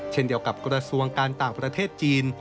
เช่นเดียวกับกระทรวงการต่างประเทศจีน